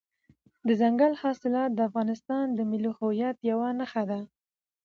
دځنګل حاصلات د افغانستان د ملي هویت یوه نښه ده.